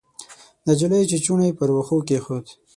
نجلۍ چوچوڼی پر وښو کېښود.